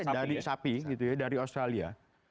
dari sapi gitu ya dari australia